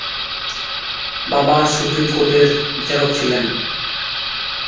বাবা সুপ্রিম কোর্টের বিচারক ছিলেন।